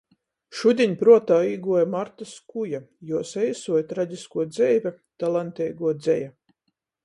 Šudiņ pruotā īguoja Marta Skuja, juos eisuo i tragiskuo dzeive, talanteiguo dzeja.